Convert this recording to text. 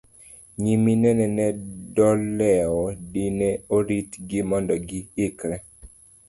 nyiminene ne do lewo dine oritgi mondo gi ikre